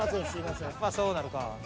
まあそうなるか。